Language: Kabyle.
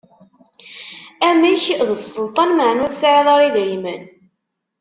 Amek, d sselṭan meɛna ur tesɛiḍ ara idrimen?